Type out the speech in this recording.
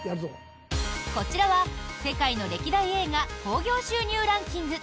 こちらは世界の歴代映画興行収入ランキング。